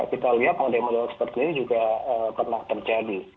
kita lihat modem modem seperti ini juga pernah terjadi